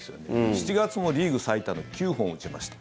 ７月もリーグ最多の９本打ちました。